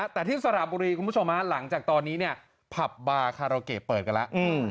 แต่ที่สระบุรีคุณผู้ชมหลังจากตอนนี้เนี่ยผับบาร์คาราเกะเปิดกันแล้ว